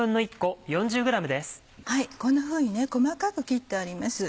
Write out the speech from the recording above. こんなふうに細かく切ってあります。